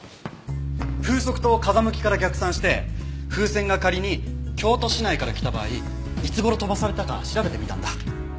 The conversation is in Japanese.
風速と風向きから逆算して風船が仮に京都市内から来た場合いつ頃飛ばされたか調べてみたんだ。